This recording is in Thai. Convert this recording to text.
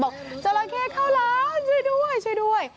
บอกเจาระเข้เข้าร้านช่วยด้วย